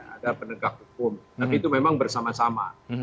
ada penegak hukum tapi itu memang bersama sama